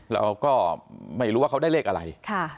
เราก็ไม่รู้ว่าเขาได้เลขอะไร